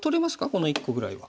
この１個ぐらいは。